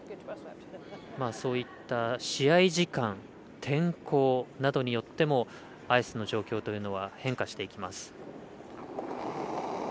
そういった試合時間天候などによってもアイスの状況というのは変化していきます。